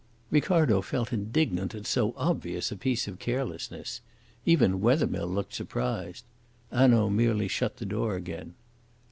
Ricardo felt indignant at so obvious a piece of carelessness. Even Wethermill looked surprised. Hanaud merely shut the door again.